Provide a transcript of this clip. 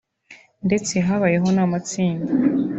ndetse habayeho n’amatsinda